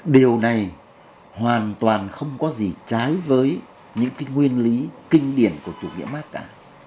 điều này hoàn toàn không có gì trái với những nguyên lý kinh điển của chủ nghĩa mát cả